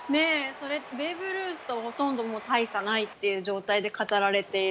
ベーブ・ルースとほとんど大差ないという状態で飾られている。